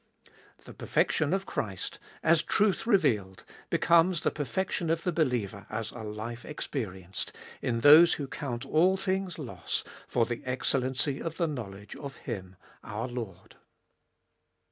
The per fection of Christ, as truth revealed, becomes the perfection of the believer, as a life experienced, in those who count all things loss for the excellency of the knowledge of Him our Lord.